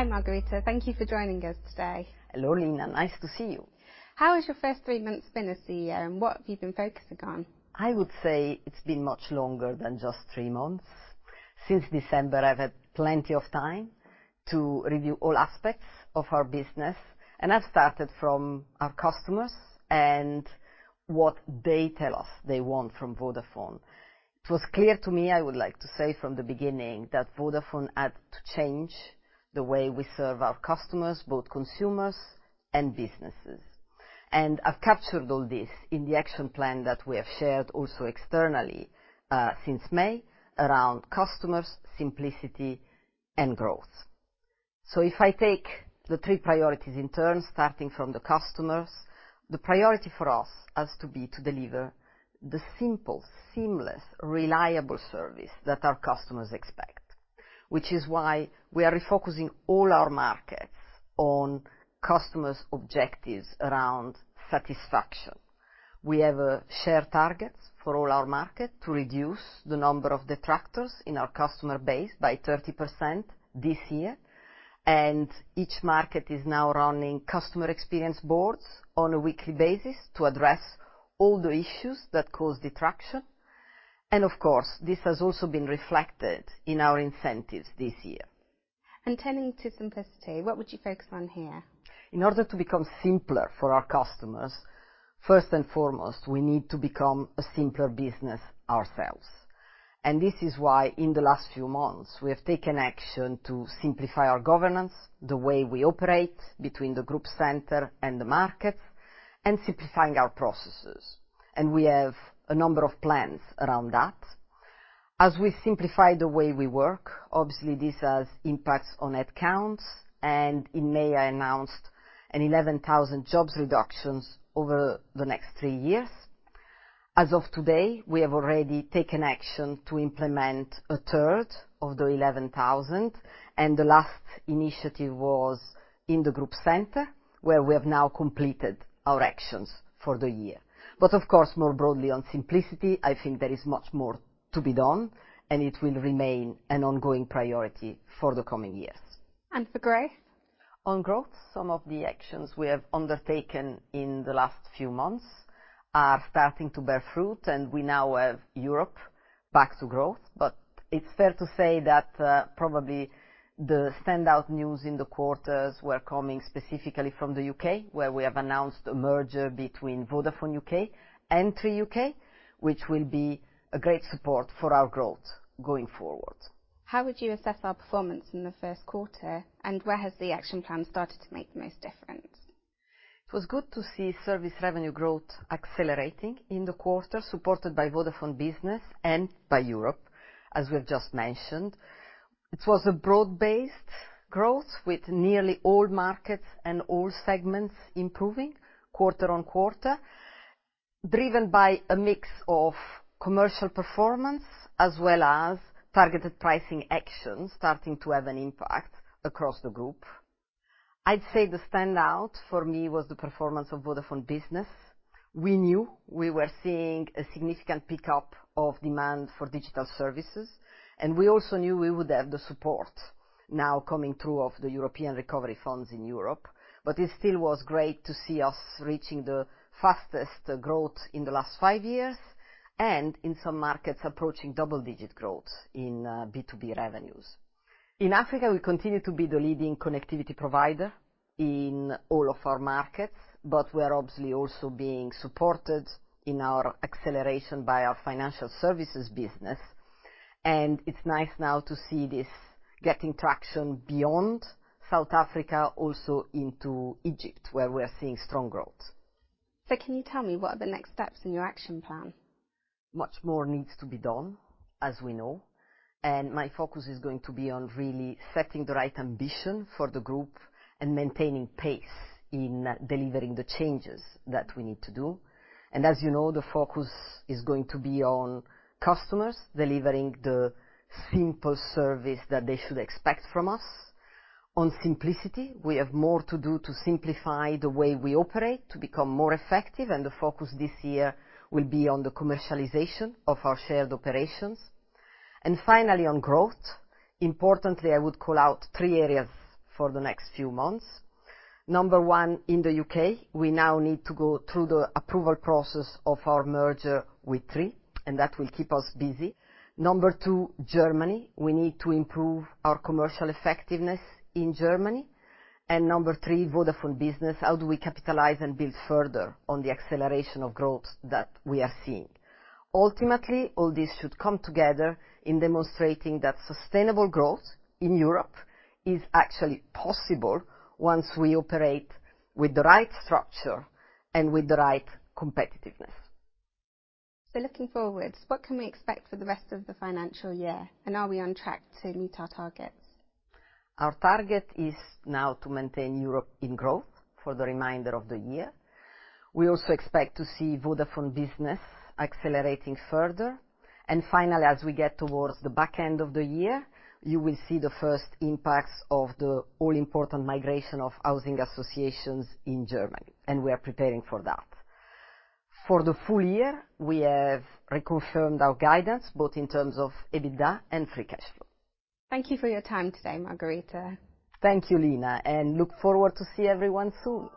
Hi, Margherita. Thank you for joining us today. Hello, Lina. Nice to see you. How has your first three months been as CEO, and what have you been focusing on? I would say it's been much longer than just three months. Since December, I've had plenty of time to review all aspects of our business, and I've started from our customers and what they tell us they want from Vodafone. It was clear to me, I would like to say, from the beginning, that Vodafone had to change the way we serve our customers, both consumers and businesses. I've captured all this in the action plan that we have shared also externally, since May, around customers, simplicity, and growth. If I take the three priorities in turn, starting from the customers, the priority for us has to be to deliver the simple, seamless, reliable service that our customers expect. Which is why we are refocusing all our markets on customers' objectives around satisfaction. We have shared targets for all our market to reduce the number of detractors in our customer base by 30% this year, and each market is now running customer experience boards on a weekly basis to address all the issues that cause detraction. Of course, this has also been reflected in our incentives this year. Turning to simplicity, what would you focus on here? In order to become simpler for our customers, first and foremost, we need to become a simpler business ourselves. This is why, in the last few months, we have taken action to simplify our governance, the way we operate between the Group center and the markets, and simplifying our processes. We have a number of plans around that. As we simplify the way we work, obviously, this has impacts on headcounts, and in May, I announced an 11,000 jobs reductions over the next 3 years. As of today, we have already taken action to implement a third of the 11,000, and the last initiative was in the Group center, where we have now completed our actions for the year. Of course, more broadly on simplicity, I think there is much more to be done, and it will remain an ongoing priority for the coming years. For growth? On growth, some of the actions we have undertaken in the last few months are starting to bear fruit, and we now have Europe back to growth. It's fair to say that, probably the standout news in the quarters were coming specifically from the UK, where we have announced a merger between Vodafone UK and Three UK, which will be a great support for our growth going forward. How would you assess our performance in the first quarter, and where has the action plan started to make the most difference? It was good to see service revenue growth accelerating in the quarter, supported by Vodafone Business and by Europe, as we've just mentioned. It was a broad-based growth, with nearly all markets and all segments improving quarter on quarter, driven by a mix of commercial performance as well as targeted pricing actions starting to have an impact across the group. I'd say the standout for me was the performance of Vodafone Business. We knew we were seeing a significant pickup of demand for digital services, and we also knew we would have the support now coming through of the European recovery funds in Europe. It still was great to see us reaching the fastest growth in the last five years, and in some markets, approaching double-digit growth in B2B revenues. In Africa, we continue to be the leading connectivity provider in all of our markets, but we are obviously also being supported in our acceleration by our financial services business. It's nice now to see this getting traction beyond South Africa, also into Egypt, where we are seeing strong growth. Can you tell me, what are the next steps in your action plan? Much more needs to be done, as we know, and my focus is going to be on really setting the right ambition for the Group and maintaining pace in delivering the changes that we need to do. As you know, the focus is going to be on customers, delivering the simple service that they should expect from us. On simplicity, we have more to do to simplify the way we operate, to become more effective, and the focus this year will be on the commercialization of our shared operations. Finally, on growth, importantly, I would call out three areas for the next few months. Number one, in the U.K., we now need to go through the approval process of our merger with Three, and that will keep us busy. Number two, Germany. We need to improve our commercial effectiveness in Germany. Number three, Vodafone Business. How do we capitalize and build further on the acceleration of growth that we are seeing? Ultimately, all this should come together in demonstrating that sustainable growth in Europe is actually possible once we operate with the right structure and with the right competitiveness. Looking forward, what can we expect for the rest of the financial year, and are we on track to meet our targets? Our target is now to maintain Europe in growth for the remainder of the year. We also expect to see Vodafone Business accelerating further. Finally, as we get towards the back end of the year, you will see the first impacts of the all-important migration of housing associations in Germany, and we are preparing for that. For the full year, we have reconfirmed our guidance, both in terms of EBITDA and free cash flow. Thank you for your time today, Margherita. Thank you, Lina, and look forward to see everyone soon.